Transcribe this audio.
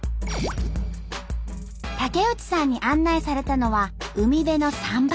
竹内さんに案内されたのは海辺の桟橋。